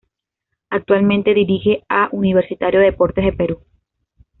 Actualmente dirige a Universitario de Deportes de Perú.